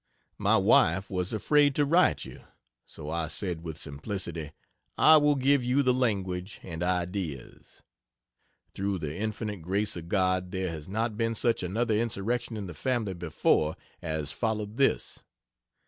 My wife was afraid to write you so I said with simplicity, "I will give you the language and ideas." Through the infinite grace of God there has not been such another insurrection in the family before as followed this.